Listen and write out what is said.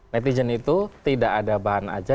netizen itu tidak ada bahan aja